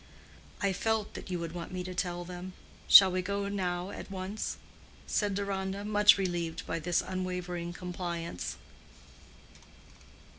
"I felt that you would want me to tell them. Shall we go now at once?" said Deronda, much relieved by this unwavering compliance.